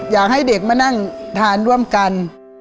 อยากให้เด็กมานั่งทานร่วมกัน